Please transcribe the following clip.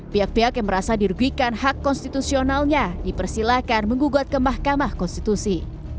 pihak pihak yang merasa dirugikan hak konstitusionalnya dipersilahkan menggugat ke mahkamah konstitusi